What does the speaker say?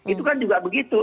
itu kan juga begitu